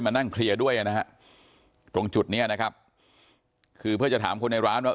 มานั่งเคลียร์ด้วยนะฮะตรงจุดเนี้ยนะครับคือเพื่อจะถามคนในร้านว่า